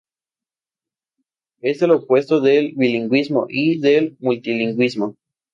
Es lo opuesto del bilingüismo y del multilingüismo.